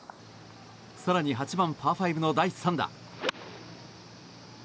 更に８番、パー５の第３打。